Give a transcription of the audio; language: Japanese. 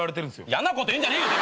嫌なこと言うんじゃねえよ！